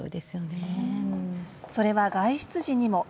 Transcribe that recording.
それは、外出時にも。